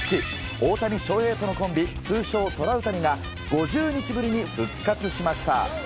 大谷翔平とのコンビ通称トラウタニが５０日ぶりに復活しました。